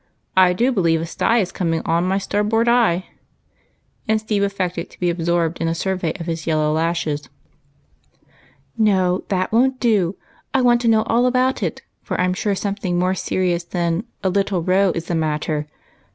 I do believe a sty is coming on my star board eye," and Steve affected to be absorbed in a survey of his yellow lashes. " No, that won't do ; I want to know all about it ; for I 'm sure something more serious than a ' little row ' is the matter.